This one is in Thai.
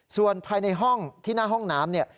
ส่วนภายในห้องที่หน้าห้องน้ำเนี่ย